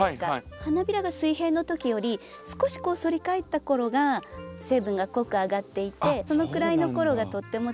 花びらが水平の時より少し反り返った頃が成分が濃くあがっていてそのくらいの頃がとっても摘みどき。